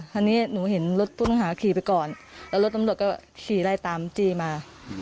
คราวนี้หนูเห็นรถผู้ต้องหาขี่ไปก่อนแล้วรถตำรวจก็ขี่ไล่ตามจี้มา